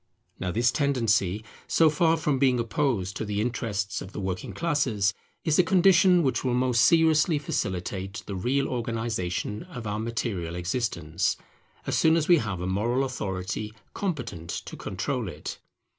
Now this tendency, so far from being opposed to the interests of the working classes, is a condition which will most seriously facilitate the real organization of our material existence, as soon as we have a moral authority competent to control it.